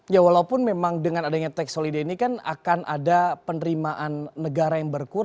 ya walaupun memang dengan adanya tax holiday ini kan akan ada penerimaan negara yang berkurang